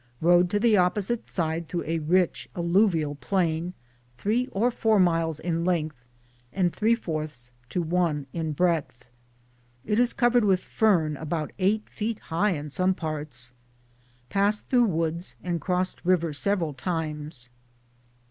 Rode to the opposite side through a rich alluvial plain, 3 or 4 miles in length and f to I in breadth. It is covered with fern about 8 feet high in some parts. Passed through woods and crossed river several times.